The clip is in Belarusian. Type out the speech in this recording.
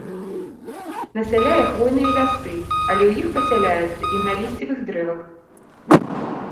Насяляе хвойныя лясы, але ў іх пасяляецца і на лісцевых дрэвах.